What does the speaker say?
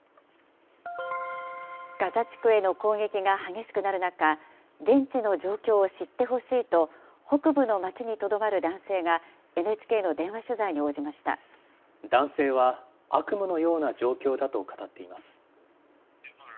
ガザ地区への攻撃が激しくなる中、現地の状況を知ってほしいと、北部の街にとどまる男性がＮＨＫの男性は、悪夢のような状況だと語っています。